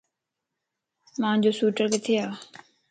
مانجو سوٽر ڪٿي ا؟